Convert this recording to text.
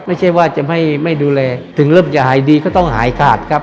ไม่ใช่ว่าจะไม่ดูแลถึงเริ่มจะหายดีก็ต้องหายขาดครับ